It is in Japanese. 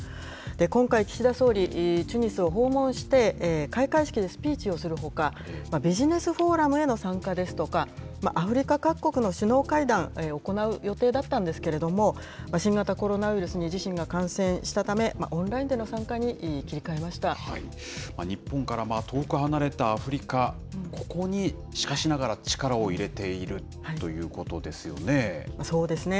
今回、岸田総理、チュニスを訪問して、開会式でスピーチをするほか、ビジネス・フォーラムへの参加ですとか、アフリカ各国の首脳会談行う予定だったんですけれども、新型コロナウイルスに自身が感染したため、オンラインでの参加に切り替えま日本から遠く離れたアフリカ、ここにしかしながら、力を入れているということですよね。